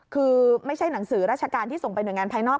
คือไม่ใช่หนังสือราชการที่ส่งไปหน่วยงานภายนอก